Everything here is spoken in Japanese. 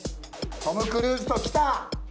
トム・クルーズときた。